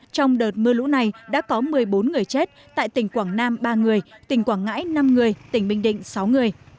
trong đợt mưa lũ này đã có một mươi bốn người chết tại tỉnh quảng nam ba người tỉnh quảng ngãi năm người tỉnh bình định sáu người